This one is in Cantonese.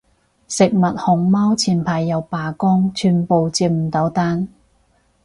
食物熊貓前排又罷工，全部接唔到單